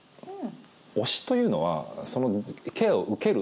「推し」というのはそのケアを「受ける」「する」